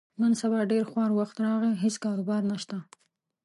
نن سبا ډېر خوار وخت راغلی، هېڅ کاروبار نشته.